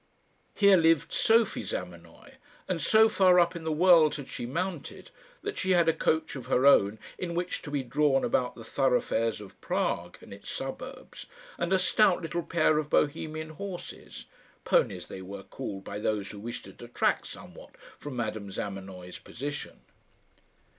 Here lived Sophie Zamenoy; and so far up in the world had she mounted, that she had a coach of her own in which to be drawn about the thoroughfares of Prague and its suburbs, and a stout little pair of Bohemian horses ponies they were called by those who wished to detract somewhat from Madame Zamenoy's position.